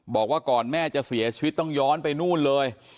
บอกว่าก่อนแม่จะเสียชีวิตต้องย้อนไปนู่นเลย